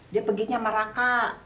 dia peginya sama raka